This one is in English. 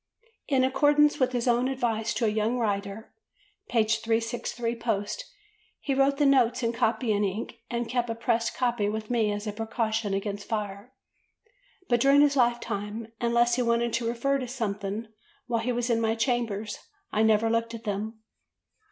In accordance with his own advice to a young writer (p. 363 post), he wrote the notes in copying ink and kept a pressed copy with me as a precaution against fire; but during his lifetime, unless he wanted to refer to something while he was in my chambers, I never looked at them.